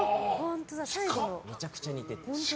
めちゃくちゃ似てて。